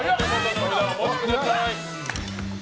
札をお持ちください。